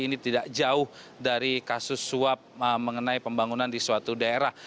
ini tidak jauh dari kasus suap mengenai pembangunan di suatu daerah